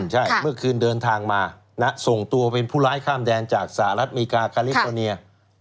ใช่เมื่อคืนเดินทางมาส่งตัวเป็นผู้ร้ายข้ามแดนจากสหรัฐอเมริกาคาลิฟอร์เนีย